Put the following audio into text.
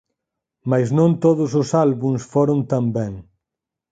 Mais non todos os álbums foron tan ben.